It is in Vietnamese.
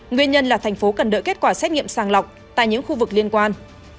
nguyên nhân là thành phố cần đợi kết quả xét nghiệm sàng lọc tại những khu vực liên quan